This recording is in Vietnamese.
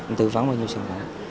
anh tư vấn bao nhiêu sản phẩm